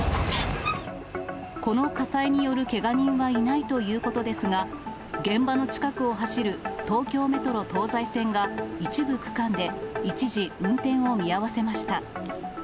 この火災によるけが人はいないということですが、現場の近くを走る東京メトロ東西線が、一部区間で一時運転を見合わせました。